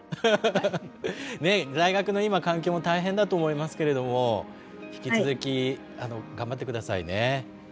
大学の今環境も大変だと思いますけれども引き続き頑張って下さいね。